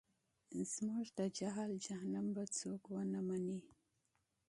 زموږ د جهل جهنم به څوک ونه مني.